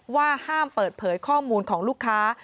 ว่าห้ามเปิดเผยข้อมูลของลูกค้า